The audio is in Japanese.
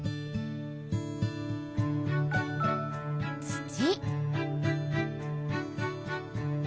土。